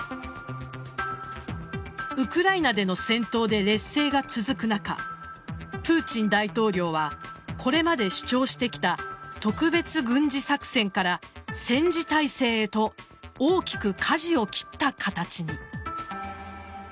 ウクライナでの戦闘で劣勢が続く中プーチン大統領はこれまで主張してきた特別軍事作戦から戦時体制と大きく舵を切った形に。